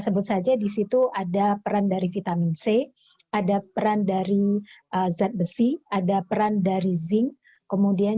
sebut saja disitu ada peran dari vitamin c ada peran dari zat besi ada peran dari zinc kemudian